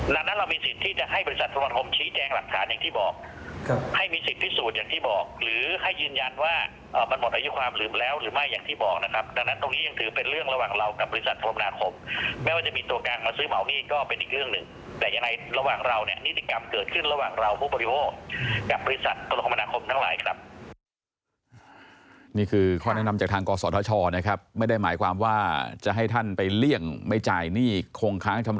ดังนั้นเรามีสิทธิที่จะให้บริษัทธรกรมนาคมชี้แจงหลักฐานอย่างที่บอกให้มีสิทธิพิสูจน์อย่างที่บอกหรือให้ยืนยันว่ามันหมดอายุความลืมแล้วหรือไม่อย่างที่บอกนะครับดังนั้นตรงนี้ยังถือเป็นเรื่องระหว่างเรากับบริษัทธรกรมนาคมแม้ว่าจะมีตัวกางมาซื้อเหมาหนี้ก็เป็นอีกเรื่องหนึ่งแต่ยังไง